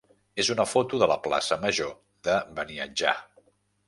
és una foto de la plaça major de Beniatjar.